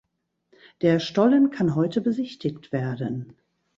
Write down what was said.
Der Stollen kann heute besichtigt werden.